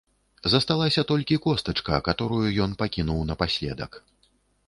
Засталася толькі костачка, каторую ён пакінуў напаследак.